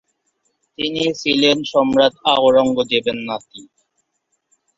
তিনি ছিলেন সম্রাট আওরঙ্গজেবের নাতি।